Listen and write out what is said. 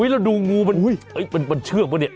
แล้วดูงูปัญญามันเชื่องป่ะเนี่ย